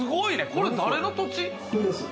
これ誰の土地？